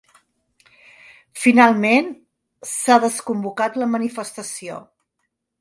Finalment, s’ha desconvocat la manifestació.